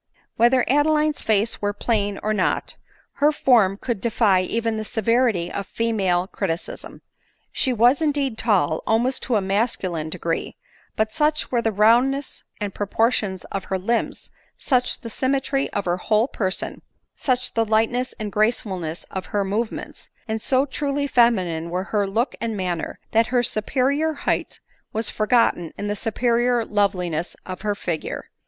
Whether Adeline's face were plain or not, her form could defy even the severity of female criticism. She was indeed tall, almost to a masculine degree ; but such were the roundness and proportion of her limbs, such the symmetry of her who^ person, such the lightness and gracefulness of her movements, and so truly femi nine were her look and manner, that her superior height was forgotten in the superior loveliness of her figure.